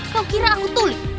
kau kira aku tulis